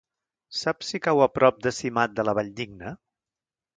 Saps si cau a prop de Simat de la Valldigna?